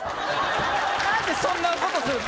何でそんなことするの？